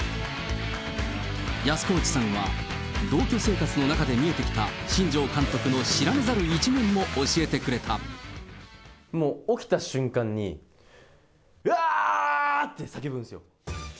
安河内さんは、同居生活の中で見えてきた新庄監督の知られざる一面も教えてくれもう起きた瞬間に、うわー！って叫ぶんですよ。